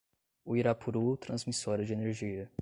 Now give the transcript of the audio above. Uirapuru Transmissora de Energia